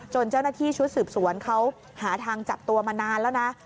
เจ้าหน้าที่ชุดสืบสวนเขาหาทางจับตัวมานานแล้วนะ